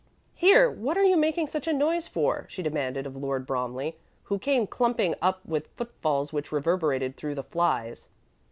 Here, what are you making such a noise for?" she demanded of Lord Bromley, who came clumping up with footfalls which reverberated through the flies.